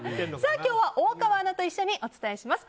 今日は大川アナと一緒にお伝えします。